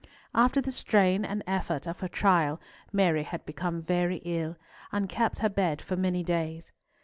After the strain and effort of her trial, Mary had become very ill, and kept her bed for many days.